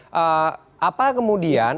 jadi apa kemudian